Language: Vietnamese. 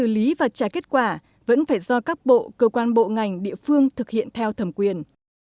lý và trả kết quả vẫn phải do các bộ cơ quan bộ ngành địa phương thực hiện theo thẩm quyền